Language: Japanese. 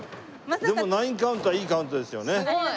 でも９カウントはいいカウントですよね。